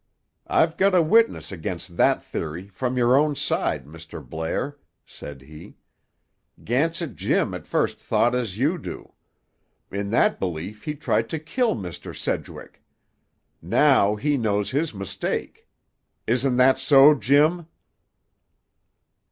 "I've got a witness against that theory, from your own side, Mr. Blair," said he. "Gansett Jim at first thought as you do. In that belief he tried to kill Mr. Sedgwick. Now he knows his mistake. Isn't that so, Jim?"